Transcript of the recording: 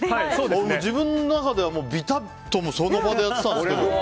自分の中では、びたっとその場でやっていたんですけど。